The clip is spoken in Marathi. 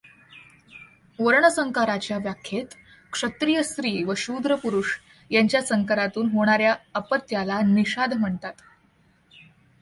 वर्णसंकराच्या व्याख्येत क्षत्रिय स्त्री व शूद्र पुरूष यांच्या संकरातून होणाऱ्या अपत्याला निषाद म्हणतात.